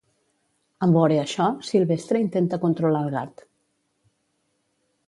En vore això, Silvestre intenta controlar el gat.